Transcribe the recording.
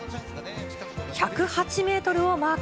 １０８メートルをマーク。